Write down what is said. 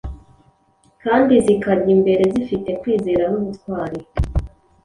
kandi zikajya imbere zifite kwizera n’ubutwari,